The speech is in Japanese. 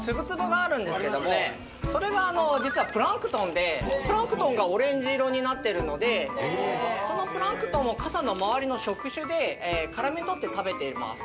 それが実はプランクトンでプランクトンがオレンジ色になってるのでそのプランクトンをかさの周りの触手でからめ捕って食べてます。